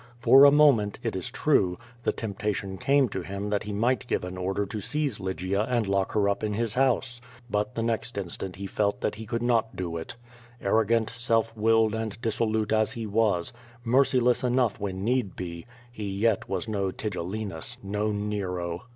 For a moment, it is true, tlio t<*mptation came to him tliat he might give an order to seize Lygia and lock her up in his house. But the r\o\i instant he felt that he could n<»t <lo it. Arrogant, self willed and disso lute as he was, merciless enough when need be, he yet was no Tigellinus, no Nero.